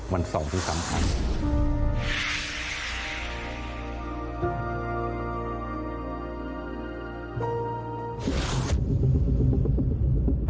วัน๒สิบ๓ครั้ง